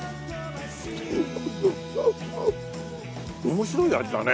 面白い味だね。